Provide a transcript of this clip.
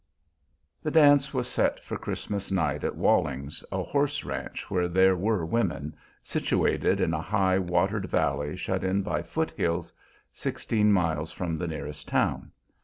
The dance was set for Christmas night at Walling's, a horse ranch where there were women, situated in a high, watered valley shut in by foothills, sixteen miles from the nearest town.